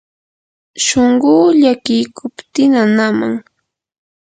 shunquu llakiykupti nanaman.